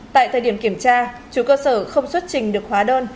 tại thời điểm kiểm tra chủ cơ sở không xuất trình được hóa đơn